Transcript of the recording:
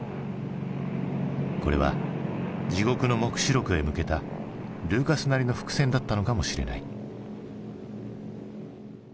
これは「地獄の黙示録」へ向けたルーカスなりの伏線だったのかもしれない。